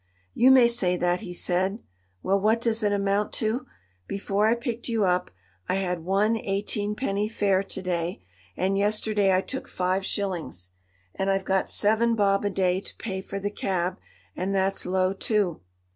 "You may say that," he said. "Well, what does it amount to? Before I picked you up, I had one eighteen penny fare to day; and yesterday I took five shillings. And I've got seven bob a day to pay for the cab, and that's low, too.